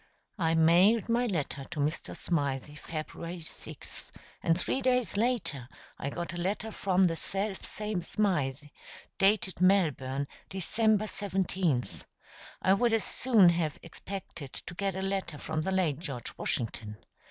I mailed my letter to Mr. Smythe February 6th, and three days later I got a letter from the selfsame Smythe, dated Melbourne, December 17th. I would as soon have expected to get a letter from the late George Washington.